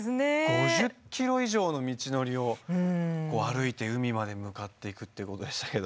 ５０キロ以上の道のりを歩いて海まで向かっていくってことでしたけど。